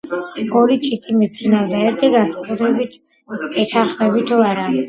ორი ჩიტი მიფრინავდა ერთიი განსაკუთრებით ეთანხმები თუ არა